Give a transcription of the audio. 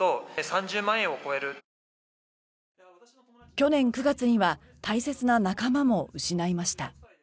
去年９月には大切な仲間も失いました。